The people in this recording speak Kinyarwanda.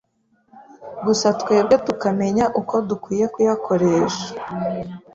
gusa twebwe tukamenya uko dukwiye kuyakoresha